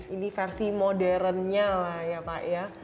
ini versi modernnya lah ya pak ya